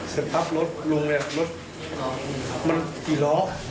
เศรษฐ์รถลุงนี่รถมันกี่ล้อ